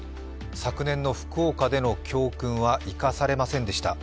昨年の福岡での教訓は生かされませんでした。